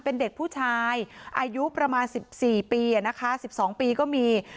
เป็นเด็กผู้ชายอายุประมาณสิบสี่ปีอ่ะนะคะสิบสองปีก็มี